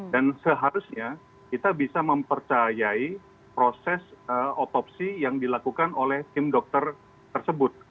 dan seharusnya kita bisa mempercayai proses otopsi yang dilakukan oleh tim dokter tersebut